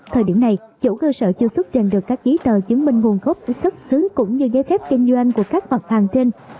thời điểm này chủ cơ sở chưa xuất trình được các giấy tờ chứng minh nguồn gốc xuất xứ cũng như giấy phép kinh doanh của các mặt hàng trên